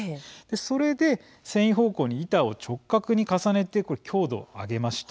それで繊維方向に板を直角に重ねて強度を上げました。